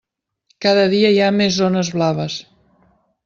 Cada dia hi ha més zones blaves.